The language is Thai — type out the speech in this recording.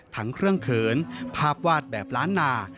ทั้งเครื่องเขินภาพวาดแบบล้านนา